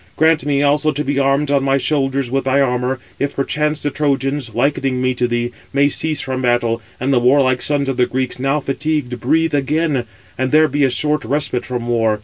Grant me also to be armed on my shoulders with thy armour, if perchance the Trojans, likening me to thee, may cease from battle, and the warlike sons of the Greeks, now fatigued, breathe again; and there be a short respite from war.